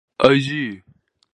Ai si